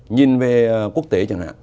nhìn về quốc tế chẳng hạn